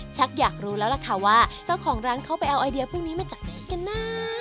อยากรู้แล้วล่ะค่ะว่าเจ้าของร้านเขาไปเอาไอเดียพวกนี้มาจากไหนกันนะ